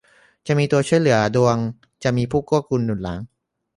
จะมีตัวช่วยเหลือ ดวงจะมีผู้เกื้อกูลหนุนหลัง